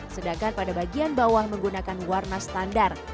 sedangkan pada bagian bawah menggunakan warna standar